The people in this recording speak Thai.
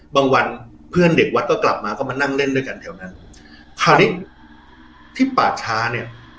วันเพื่อนเด็กวัดก็กลับมาก็มานั่งเล่นด้วยกันแถวนั้นคราวนี้ที่ป่าช้าเนี่ย